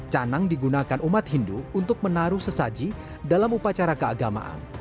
canang digunakan umat hindu untuk menaruh sesaji dalam upacara keagamaan